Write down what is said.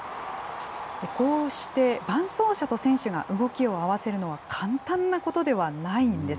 こうして、伴走者と選手が動きを合わせるのは簡単なことではないんです。